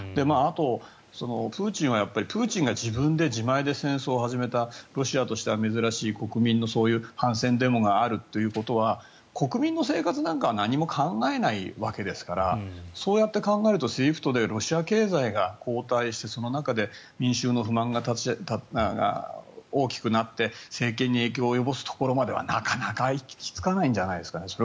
あと、プーチンはプーチンが自分で、自前で戦争を始めたロシアとしては珍しい国民のそういう反戦デモがあるということは国民の生活なんかは何も考えないわけですからそうやって考えるとＳＷＩＦＴでロシア経済が後退してその中で民衆の不満が大きくなって政権に影響を及ぼすところまではなかなか行き着かないんじゃないですかね。